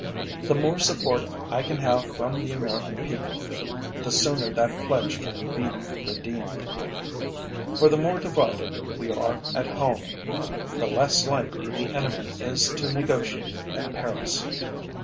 The more support I can have from the American people, the sooner that pledge can be redeemed. For the more divided we are at home, the less likely the enemy is to negotiate at Paris.